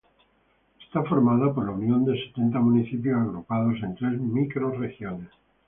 Es formada por la unión de setenta municipios agrupados en tres microrregiones.